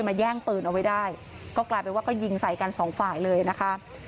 แย่งปืนเอาไว้ได้ก็กลายเป็นว่าก็ยิงใส่กันสองฝ่ายเลยนะคะ